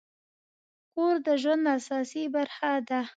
کور د ژوند اساسي برخه ده.